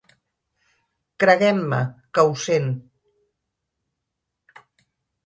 Creguen-me que ho sent.